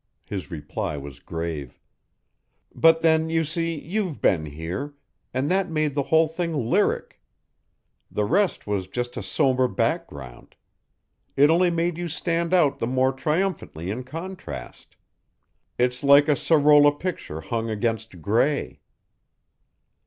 His reply was grave. "But then, you see, you've been here, and that made the whole thing lyric. The rest was just a somber background. It only made you stand out the more triumphantly in contrast. It's like a Sorolla picture hung against gray."